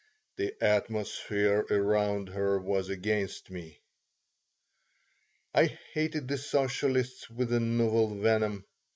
"The atmosphere around her was against me." I hated the socialists with a novel venom.